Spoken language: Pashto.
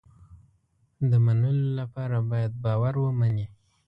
د منلو لپاره باید باور ومني.